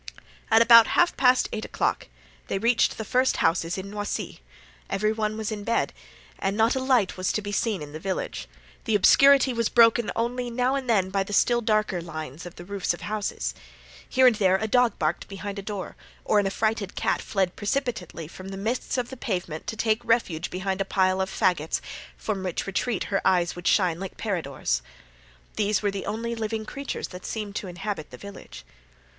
At about half past eight o'clock they reached the first houses in Noisy; every one was in bed and not a light was to be seen in the village. The obscurity was broken only now and then by the still darker lines of the roofs of houses. Here and there a dog barked behind a door or an affrighted cat fled precipitately from the midst of the pavement to take refuge behind a pile of faggots, from which retreat her eyes would shine like peridores. These were the only living creatures that seemed to inhabit the village.